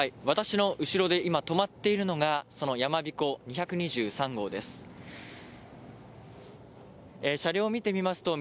私の後ろで今止まっているのがそのやまびこ２２３号です。